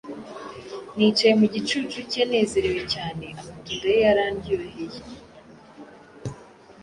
Nicaye mu gicucu cye nezerewe cyane Amatunda ye yarandyoheye.